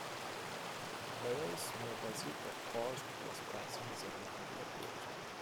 Buyers may perceive that cost-plus pricing is a reasonable approach.